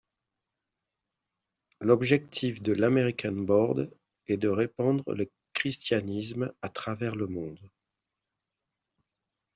L'objectif de l'American Board est de répandre le christianisme à travers le monde.